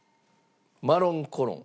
マロンコロン？